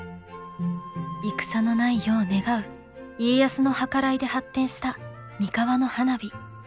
戦のない世を願う家康の計らいで発展した三河の花火。